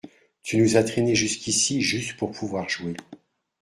Tu nous as traînés jusqu’ici juste pour pouvoir jouer